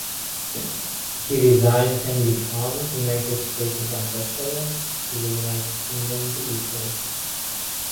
He resigns and becomes United States Ambassador to the United Kingdom briefly.